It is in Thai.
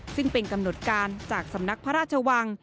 ซึ่งเป็นกำหนดการจากสำนักพระราชวัง